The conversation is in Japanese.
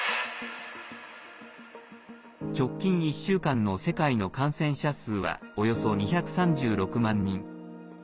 直近１週間の世界の感染者数はおよそ２３６万人。